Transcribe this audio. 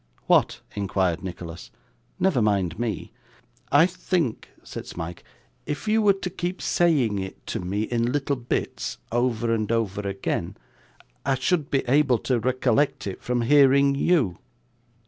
'What?' inquired Nicholas. 'Never mind me.' 'I think,' said Smike, 'if you were to keep saying it to me in little bits, over and over again, I should be able to recollect it from hearing you.